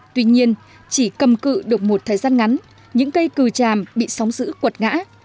tuy nhiên chỉ cầm cự được một thời gian ngắn những cây cừu tràm bị sóng giữ cuột ngã